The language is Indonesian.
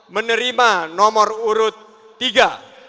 menerima nomor urut tiga